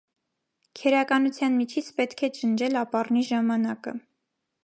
Քերականության միջից պետք է ջնջել ապառնի ժամանակը: